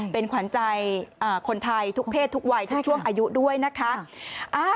เป็นขวัญใจคนไทยทุกเพศทุกวัยทุกช่วงอายุด้วยนะคะ